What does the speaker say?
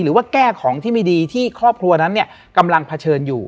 หรือว่าแก้ของที่ไม่ดีที่ครอบครัวนั้นเนี่ยกำลังเผชิญอยู่